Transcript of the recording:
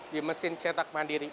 di mesin cetak mandiri